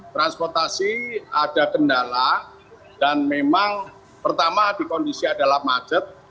transportasi ada kendala dan memang pertama di kondisi adalah macet